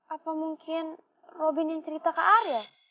apa mungkin robin yang cerita ke arya